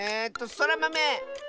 そらまめ！